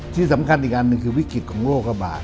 ที่สำคัญอีกอันหนึ่งคือวิกฤตของโรคระบาด